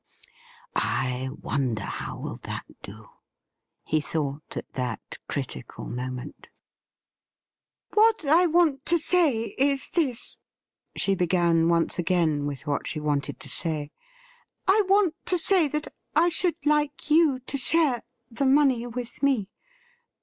—' I wonder how will that do .?' he thought at that critical moAient. 224 THE RIDDLE RING ' What I want to say is this,' she began once again with what she wanted to say. ' I want to say that I should like you to share — the money with me.